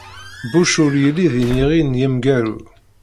Bush ur yelli d iniɣi n wemgaru.